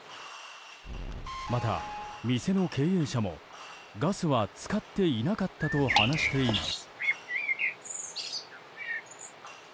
また、店の経営者もガスは使っていなかったと話しています。